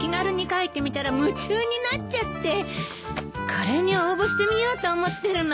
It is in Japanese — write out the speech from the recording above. これに応募してみようと思ってるの。